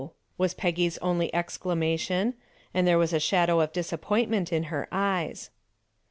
was Peggy's only exclamation, and there was a shadow of disappointment in her eyes.